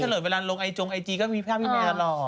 ไม่เฉลินเวลาลงไอจงไอจีก็มีภาพพี่แมนตลอด